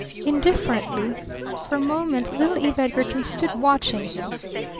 Indifferently for a moment little Eve Edgarton stood watching him.